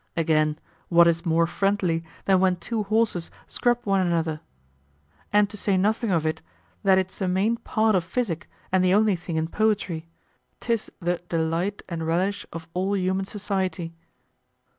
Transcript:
Again, what is more friendly than when two horses scrub one another? And to say nothing of it, that it's a main part of physic, and the only thing in poetry; 'tis the delight and relish of all human society.